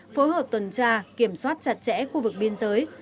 phối hợp tuần tra kiểm soát chặt chẽ khu vực biên giới